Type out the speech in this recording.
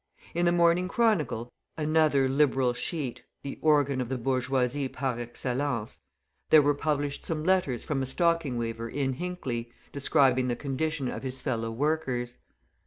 In the Morning Chronicle, another Liberal sheet, the organ of the bourgeoisie par excellence, there were published some letters from a stocking weaver in Hinckley, describing the condition of his fellow workers.